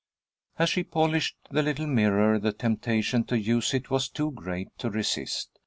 As she polished the little mirror, the temptation to use it was too great to resist.